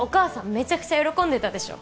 めちゃくちゃ喜んでたでしょう